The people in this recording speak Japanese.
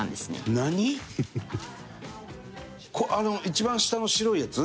一番下の白いやつ？